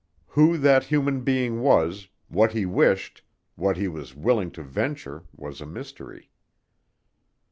Who that human being was, what he wished, what he was willing to venture was a mystery.